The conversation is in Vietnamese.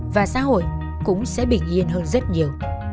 và xã hội cũng sẽ bình yên hơn rất nhiều